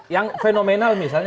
yang fenomenal misalnya